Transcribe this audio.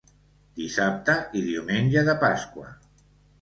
Dissabte i Diumenge de Pasqua.